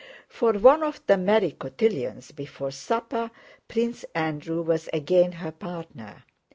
For one of the merry cotillions before supper Prince Andrew was again her partner.